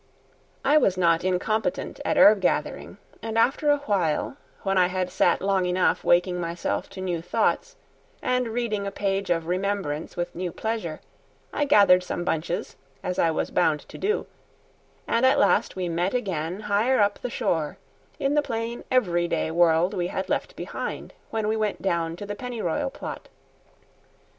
I was not incompetent at herb gathering, and after a while, when I had sat long enough waking myself to new thoughts, and reading a page of remembrance with new pleasure, I gathered some bunches, as I was bound to do, and at last we met again higher up the shore, in the plain every day world we had left behind when we went down to the penny royal plot.